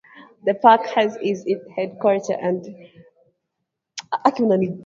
The park has its headquarters at Manzituba.